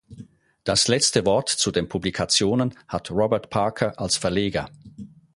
Das letzte Wort zu den Publikationen hat Robert Parker als Verleger.